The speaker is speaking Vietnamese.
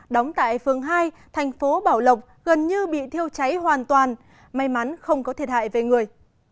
đóng tại phường hai thành phố bảo lộc gần như bị thiêu cháy hoàn toàn may mắn không có thiệt hại về người